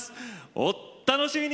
お楽しみに！